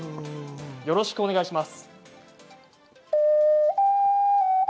よろしくお願いします。